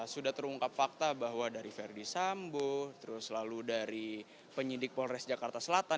sudah terungkap fakta bahwa dari verdi sambo terus lalu dari penyidik polres jakarta selatan